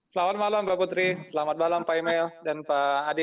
selamat malam involving selamat malam ke email dan pak adip